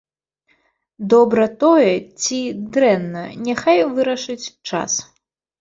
Добра тое ці дрэнна, няхай вырашыць час.